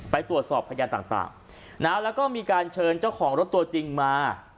ไปตรวจสอบพยานต่างนะแล้วก็มีการเชิญเจ้าของรถตัวจริงมา